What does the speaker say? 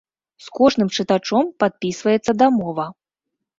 З кожным чытачом падпісваецца дамова.